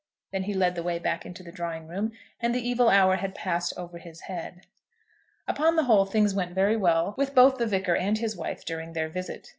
Then he led the way back into the drawing room, and the evil hour had passed over his head. Upon the whole, things went very well with both the Vicar and his wife during their visit.